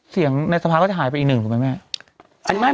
เสียงในสภาคก็จะหายไปอีกหนึ่งหรือเปล่าแม่